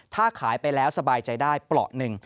ถ้าขายไปแล้วสบายใจได้เปราะหนึ่ง